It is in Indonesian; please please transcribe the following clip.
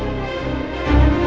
nanti kita ke rumah